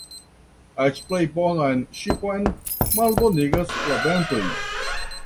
Eĉ plej bonan ŝipon malbonigas la ventoj.